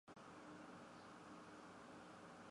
雷阿隆人口变化图示